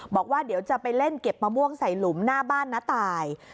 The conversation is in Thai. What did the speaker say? บอกว่าเดี๋ยวจะไปเล่นเก็บมะม่วงใส่หลุมหน้าบ้านน้าตาย